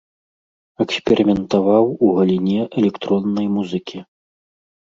Эксперыментаваў у галіне электроннай музыкі.